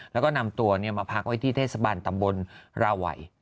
แล้วก็นำตัวมาพักไว้ที่เทศบาลตำบลราวัย